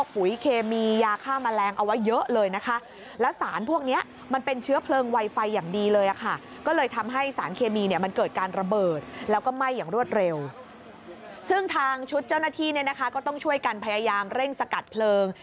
ซึ่งทางชุดเจ้าหน้าที่เนี่ยนะคะก็ต้องช่วยกันพยายามเร่งสกัดเพลิง